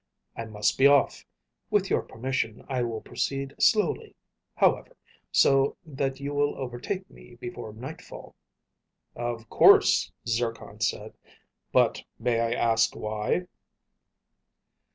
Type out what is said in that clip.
"I must be off. With your permission, I will proceed slowly, however, so that you will overtake me before nightfall." "Of course," Zircon said. "But may I ask why?"